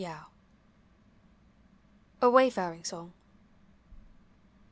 347 A WAYFARING SONG.